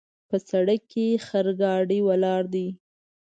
په سړک کې خرګاډۍ ولاړ ده